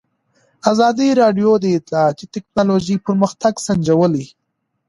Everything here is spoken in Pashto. ازادي راډیو د اطلاعاتی تکنالوژي پرمختګ سنجولی.